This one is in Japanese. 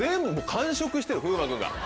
完食してる風磨君が。